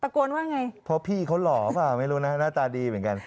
โกนว่าไงเพราะพี่เขาหล่อเปล่าไม่รู้นะหน้าตาดีเหมือนกัน